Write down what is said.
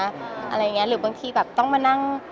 อะไรอย่างนี้หรือบางทีแบบต้องมานั่ง